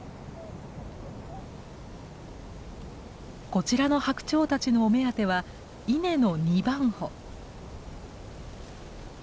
こちらのハクチョウたちのお目当ては稲の二番穂。